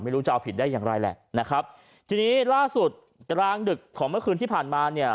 ไม่รู้จะเอาผิดได้อย่างไรแหละนะครับทีนี้ล่าสุดกลางดึกของเมื่อคืนที่ผ่านมาเนี่ย